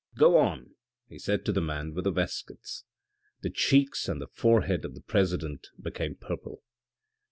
" Go on," he said to the man with the waistcoatb. The cheeks and the forehead of the president became purple.